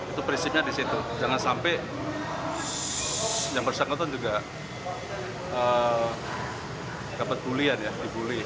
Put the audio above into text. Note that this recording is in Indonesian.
itu prinsipnya di situ jangan sampai yang bersangkutan juga dapat bulian ya dibully